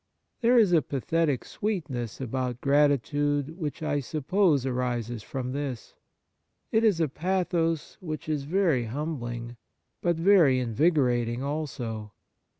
There is a pathetic sweetness about grati tude which I suppose arises from this. It is a pathos which is very humbhng, but very invigorating also.